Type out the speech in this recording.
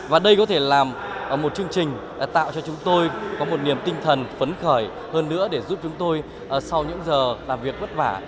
và đây có thể là một chương trình tạo cho chúng tôi có một niềm tinh thần phấn khởi hơn nữa để giúp chúng tôi sau những giờ làm việc vất vả